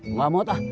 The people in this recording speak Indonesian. nggak mau pak